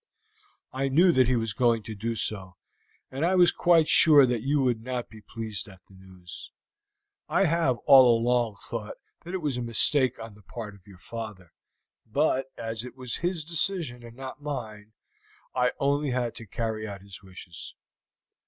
"I knew that he was going to do so, and I was quite sure that you would not be pleased at the news. I have all along thought that it was a mistake on the part of your father; but as it was his decision, and not mine, I only had to carry out his wishes."